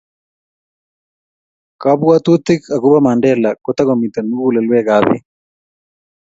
kabwotutik akobo Mandela ko tokomi mukulelwekab biik